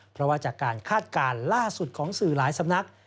เพราะว่าจากการคาดการณ์ล่าสุดของสื่อหลายสำนัก